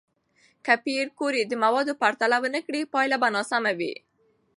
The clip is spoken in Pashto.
که پېیر کوري د موادو پرتله ونه کړي، پایله به ناسم وي.